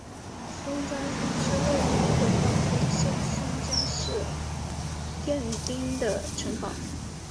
松江城是位于日本岛根县松江市殿町的城堡。